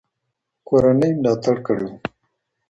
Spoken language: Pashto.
کورنۍ ملاتړ کړی و.